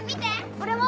俺も！